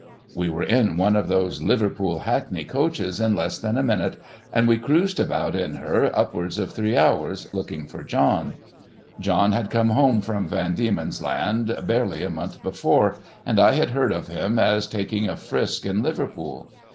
W'Q were in one of those Liverpool hackney coaches in less than a minute, and we cruised about in her upwards of three hours, looking for John. John had come home from Van Diemen's Land barely a month before, and I had heard of him as taking a frisk in Liverpool.